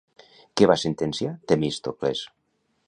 Què va sentenciar Temístocles?